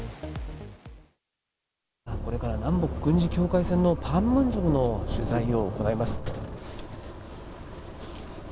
これから南北軍事境界線のパンムンジョムの取材を行います。